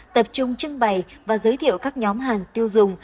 tập trung trưng bày và giới thiệu các nhóm hàng tiêu dùng